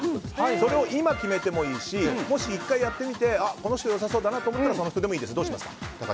それを今決めてもいいしもし、１回やってみてこの人が良さそうだなと思ったらその人でもいいです。